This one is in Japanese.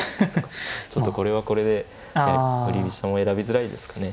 ちょっとこれはこれで振り飛車も選びづらいですかね。